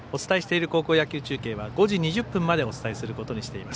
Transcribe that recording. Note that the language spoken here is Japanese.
お伝えしている高校野球中継は５時２０分までお伝えします。